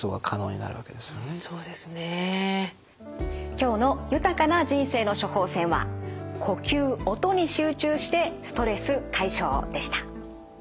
今日の「豊かな人生の処方せん」は「呼吸・音に集中してストレス解消！」でした。